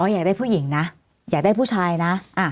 อยากได้ผู้หญิงนะอยากได้ผู้ชายนะ